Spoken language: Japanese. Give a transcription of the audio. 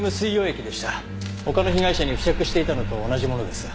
他の被害者に付着していたのと同じものです。